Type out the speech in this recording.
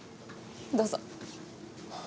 どうぞ。